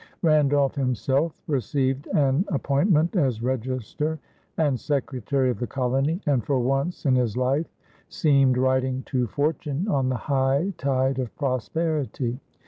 Randolph himself received an appointment as register and secretary of the colony, and for once in his life seemed riding to fortune on the high tide of prosperity.